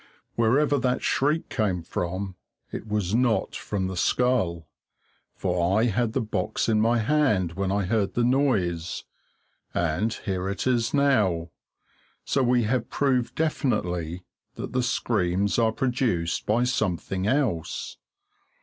Wherever that shriek came from, it was not from the skull, for I had the box in my hand when I heard the noise, and here it is now; so we have proved definitely that the screams are produced by something else.